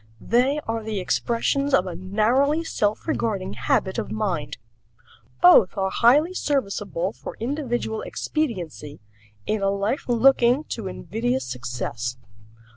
They are the expressions of a narrowly self regarding habit of mind. Both are highly serviceable for individual expediency in a life looking to invidious success.